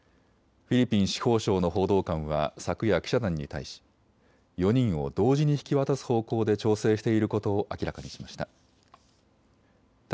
フィリピン司法省の報道官は昨夜記者団に対し４人を同時に引き渡す方向で調整していることを明らかにしました。